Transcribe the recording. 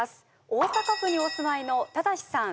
大阪府にお住まいのタダシさん